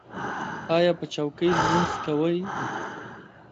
ایا په چوکۍ لمونځ کوئ؟